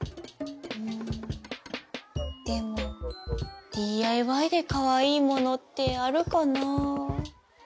んんでもＤＩＹでかわいいものってあるかな？